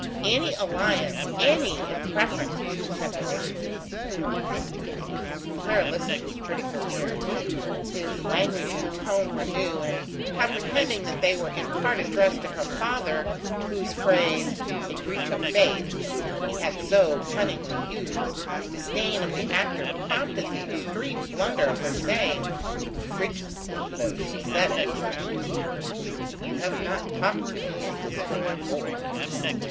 Any alliance, any, in preference to separation!" Clara listened with critical ear. His language and tone were new; and comprehending that they were in part addressed to her father, whose phrase: "A breach of faith": he had so cunningly used, disdain of the actor prompted the extreme blunder of her saying frigidly though she said it: "You have not talked to me in this way before."